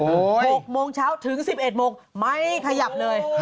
๖โมงเช้าถึง๑๑โมงไม่ขยับเลย